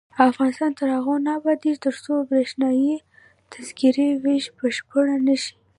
افغانستان تر هغو نه ابادیږي، ترڅو بریښنايي تذکرې ویش بشپړ نشي.